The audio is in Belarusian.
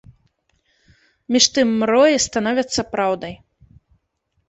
Між тым мроі становяцца праўдай.